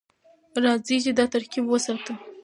راځئ چې دا ترکیب وساتو.